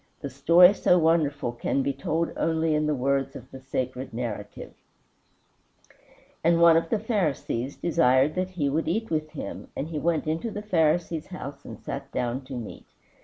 The story so wonderful can be told only in the words of the sacred narrative: "And one of the Pharisees desired him that he would eat with him, and he went into the Pharisee's house and sat down to meat.